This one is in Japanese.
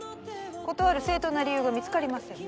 断る正当な理由が見つかりません。